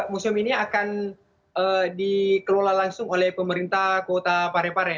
museum ini akan dikelola langsung oleh pemerintah kota parepare